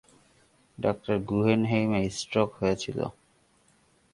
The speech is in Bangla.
ডাঃ গুগেনহেইমের স্ট্রোক হয়েছিল।